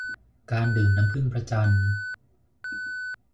การดื่มน้ำผึ้งพระจันทร์